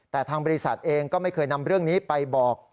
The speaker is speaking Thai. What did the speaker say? แต่ทางบริษัทเองก็ไม่เคยนำเรื่องนี้ไปบอก